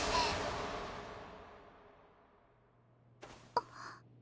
あっ。